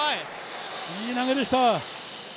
いい投げでした。